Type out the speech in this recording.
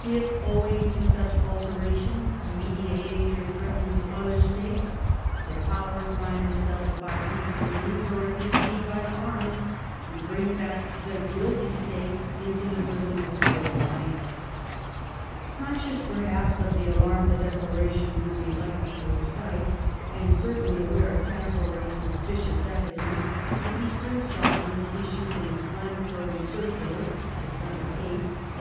If, owing to such» alterations, immediate danger threatens other States, the Powei"s \ bind themselves, by peaceful means, or if need be by arms, to • bring back the guilty State into the bosom of the Great Alliance." .1 Conscious, perhaps, of the alarm the declaration would be likely to excite, and certainly aware of Castlereagh's suspicious attitude, the Eastern Sovereigns issued an explanatory circular (Dec. 8th, 1820).